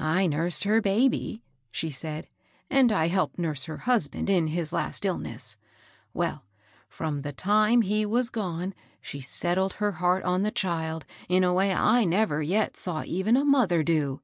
"I nursed her baby," she said, "and I helped nurse her husband in his last illness. Well, fi*om the time he was gone, she set tled her heart on the child in a way I never yet saw even a mother do.